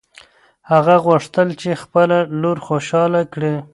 هغه غوښتل چې خپله لور خوشحاله کړي.